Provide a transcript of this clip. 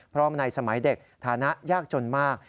เพราะในสมัยเด็กฐานะยากจนมาก